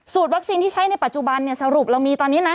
วัคซีนที่ใช้ในปัจจุบันสรุปเรามีตอนนี้นะ